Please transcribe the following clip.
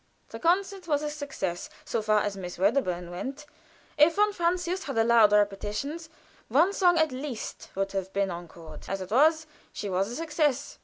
The concert was a success, so far as Miss Wedderburn went. If von Francius had allowed repetitions, one song at least would have been encored. As it was, she was a success.